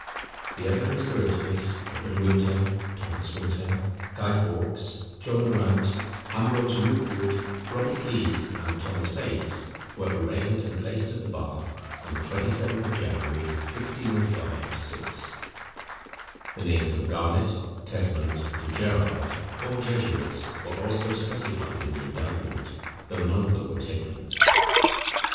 The other conspirators, Robert Winter, Thomas Winter, Guy Fawkes, John Grant, Ambrose Rookwood, Robert Keys, and Thomas Bates, were arraigned and placed at the bar on the 27th of January, 1605 6. The names of Garnet, Tesmond, and Gerrard, all jesuits, were also specified in the indictment, though none of them were taken.